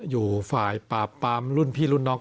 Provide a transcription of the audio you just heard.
อยู่ฝ่ายปราบปรามรุ่นพี่รุ่นน้อง